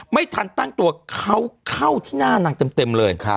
ไม่ทันตั้งตัวเขาเข้าที่หน้านางเต็มเลย